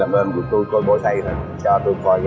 vào ngày sáu tháng sáu prope